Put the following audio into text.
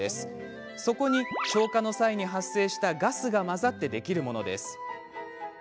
そこに、消化の際に発生したガスが混ざってできるものです。